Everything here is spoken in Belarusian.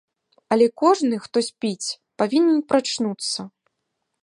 Але кожны, хто спіць, павінен прачнуцца.